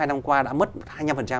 hai năm qua đã mất hai mươi năm